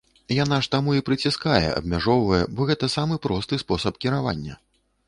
Яна ж таму і прыціскае, абмяжоўвае, бо гэта самы просты спосаб кіравання.